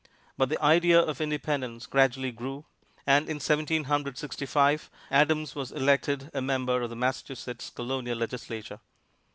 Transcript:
But the idea of independence gradually grew, and, in Seventeen Hundred Sixty five, Adams was elected a member of the Massachusetts Colonial Legislature.